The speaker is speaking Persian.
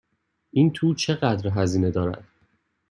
این تور چقدر هزینه دارد؟